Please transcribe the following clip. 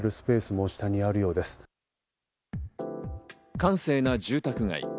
閑静な住宅街。